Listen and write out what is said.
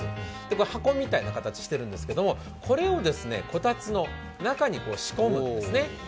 箱みたいな形してるんですけれども、これをこたつの中に仕込むんですね。